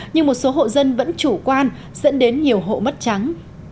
nhưng một số hộ dân vẫn chủ quan dẫn đến nhiều hộ mất trắng